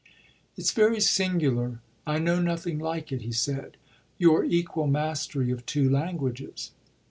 "It's very singular; I know nothing like it," he said "your equal mastery of two languages."